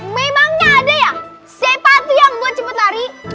memangnya ada ya sepatu yang buat cepet lari